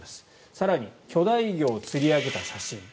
更に、巨大魚を釣り上げた写真。